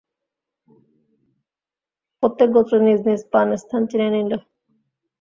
প্রত্যেক গোত্র নিজ নিজ পান-স্থান চিনে নিল।